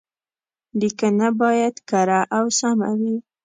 ليکنه بايد کره او سمه وي.